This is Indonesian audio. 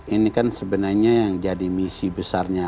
ini kan sebenarnya yang jadi misi besarnya